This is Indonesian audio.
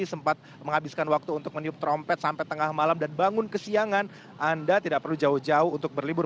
sempat menghabiskan waktu untuk meniup trompet sampai tengah malam dan bangun kesiangan anda tidak perlu jauh jauh untuk berlibur